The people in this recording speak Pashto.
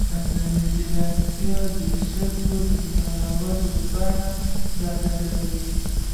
مصنوعي ځیرکتیا د ژبې د کارولو بڼه بدلوي.